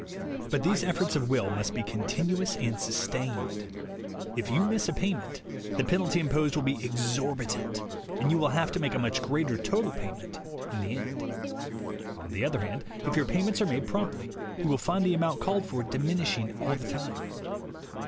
But these efforts of will must be continu ous and sustained. If you miss a payment, the penalty imposed will be exorbitant, and you will have to make a much greater total payment in the end. On the other hand, if your payments are made promptly, you will find the amount called for diminishing all the time.